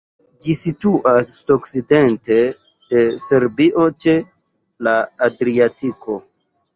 Ĝi situas sudokcidente de Serbio ĉe la Adriatiko.